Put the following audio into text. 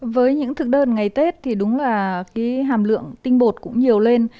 với những thực đơn ngày tết thì đúng là cái hàm lượng tinh bột cũng nhiều lên